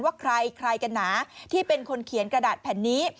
ว่าใครกันหนาที่เป็นคนเขียนกระดาษแผ่นนี้